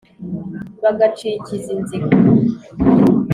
bagacikiza inzigo.